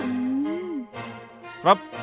ครับ